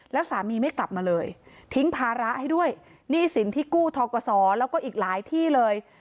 แล้วสามีไม่กลับมาเลยทิ้งภาระให้ด้วยหนี้สินที่กู้ทกศแล้วก็อีกหลายที่เลย